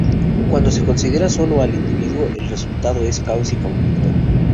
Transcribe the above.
Cuando se considera sólo al individuo el resultado es caos y conflicto.